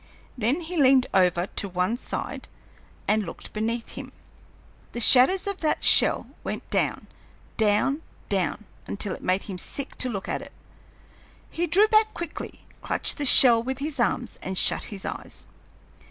Then he leaned over to one side and looked beneath him. The shadows of that shell went down, down, down, until it made him sick to look at it. He drew back quickly, clutched the shell with his arms, and shut his eyes.